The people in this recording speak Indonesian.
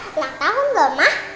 tidak tahu enggak mah